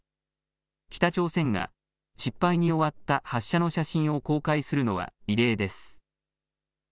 北朝鮮が失敗に終わった発射の写真を公開するのは異例です。